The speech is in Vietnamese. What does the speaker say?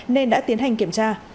nên đã tiến hành kiểm tra